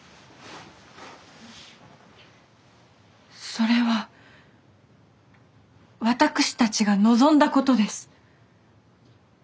それは私たちが望んだことです。